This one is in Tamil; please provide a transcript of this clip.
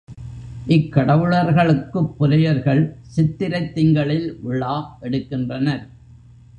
இக்கடவுளர்களுக்குப் புலையர்கள் சித்திரைத் திங்களில் விழா எடுக்கின்றனர்.